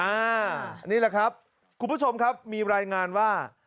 อันนี้แหละครับคุณผู้ชมครับมีรายงานว่า